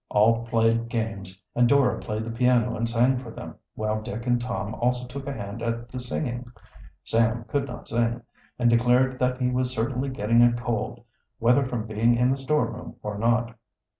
All played games, and Dora played the piano and sang for them, while Dick and Tom also took a hand at the singing. Sam could not sing, and declared that he was certainly getting a cold, whether from being in the storeroom or not.